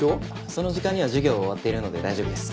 その時間には授業は終わっているので大丈夫です。